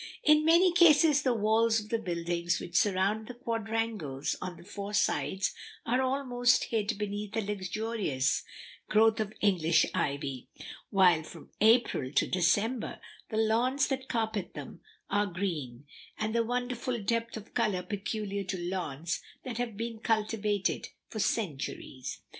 In many cases the walls of the buildings which surround the quadrangles on the four sides are almost hid beneath a luxurious growth of English ivy, while from April to December the lawns that carpet them are green with the wonderful depth of color peculiar to lawns that have been cultivated for centuries.